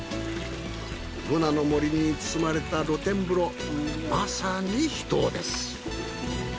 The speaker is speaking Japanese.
ブナの森に包まれた露天風呂まさに秘湯です。